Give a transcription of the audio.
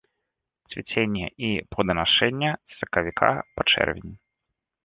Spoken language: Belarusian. Цвіценне і плоданашэнне з сакавіка па чэрвень.